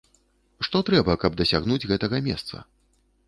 Што трэба, каб дасягнуць гэтага месца?